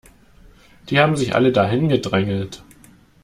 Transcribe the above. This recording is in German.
Die haben sich alle da hingedrängelt.